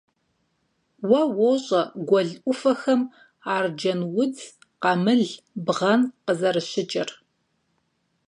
Уэ уощӀэ гуэл Ӏуфэхэм арджэнудз, къамыл, бгъэн къызэрыщыкӀыр.